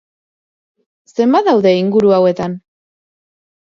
Zenbat daude inguru hauetan?